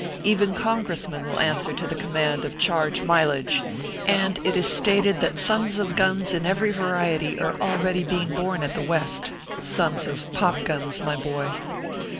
Even Con gressmen will answer to the command of " Charge mileage !" and it is stated that sons of guns in every variety are already being born at the West sons of " Pop" guns, my boy.